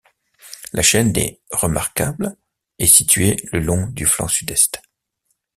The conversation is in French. La chaîne des Remarkables est située le long du flanc sud-est.